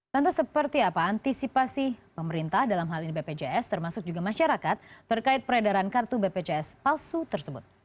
lantas seperti apa antisipasi pemerintah dalam hal ini bpjs termasuk juga masyarakat terkait peredaran kartu bpjs palsu tersebut